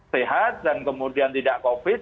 sehat dan kemudian tidak covid